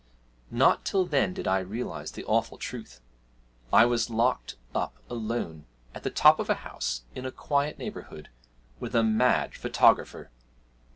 Not till then did I realise the awful truth I was locked up alone, at the top of a house, in a quiet neighbourhood, with a mad photographer!